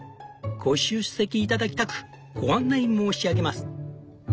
ご出席頂きたくご案内申し上げます」。